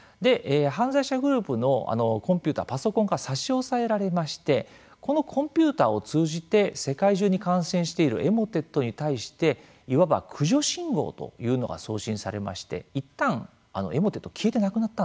犯罪者グループのコンピューターパソコンが差し押さえられましてこのコンピューターを通じて世界中に感染しているエモテットに対していわば駆除信号というのが送信されまして一旦エモテット消えてなくなったんですよ。